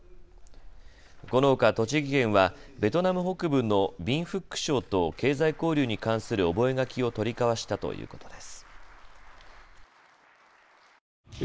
このほか栃木県はベトナム北部のビンフック省と経済交流に関する覚書を取り交わしたということです。